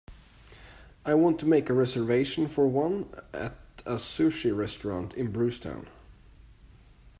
I want to make a reservation for one at a sushi restaurant in Brucetown